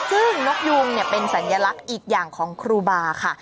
ซึ่งนกยูงเป็นสัญลักษณ์อีกอย่างของครูบาค่ะ